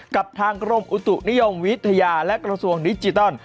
กับทางกรมอุตุนิยมวิทยาและกระทรวงดิจิตอล